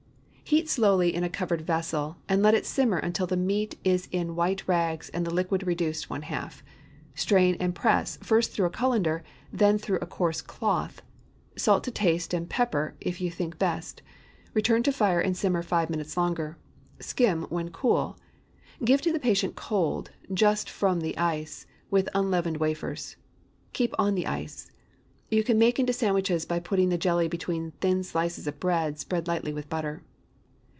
Heat slowly in a covered vessel, and let it simmer until the meat is in white rags and the liquid reduced one half. Strain and press, first through a cullender, then through a coarse cloth. Salt to taste, and pepper, if you think best; return to the fire, and simmer five minutes longer. Skim when cool. Give to the patient cold—just from the ice—with unleavened wafers. Keep on the ice. You can make into sandwiches by putting the jelly between thin slices of bread spread lightly with butter.